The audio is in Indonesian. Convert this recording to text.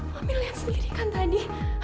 kami lihat sendiri kan tadi